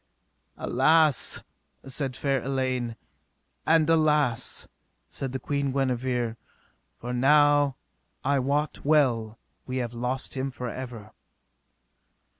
Alas, said fair Elaine, and alas, said the Queen Guenever, for now I wot well we have lost him for ever.